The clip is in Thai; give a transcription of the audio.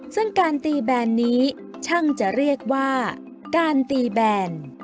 ซึ่งการตีแบนนี้ช่างจะเรียกว่าการตีแบน